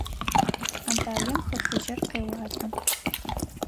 Анталием Хы Фыжьыр къеуалӏэ.